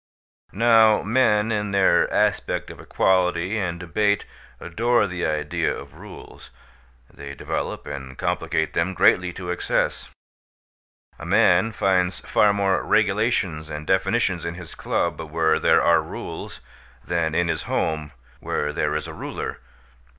Now men in their aspect of equality and debate adore the idea of rules; they develop and complicate them greatly to excess. A man finds far more regulations and definitions in his club, where there are rules, than in his home, where there is a ruler.